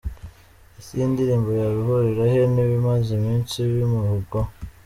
Ese iyi ndirimbo yaba ihurire he nibimaze imisi bimuvugwaho?.